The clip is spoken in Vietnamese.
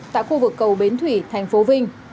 tại khu vực cầu bến thủy tp vinh